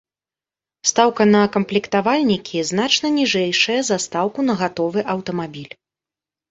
Стаўка на камплектавальнікі значна ніжэйшая за стаўку на гатовы аўтамабіль.